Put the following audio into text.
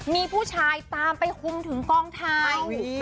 มีผู้ชายตามไปคุมถึงกองไทย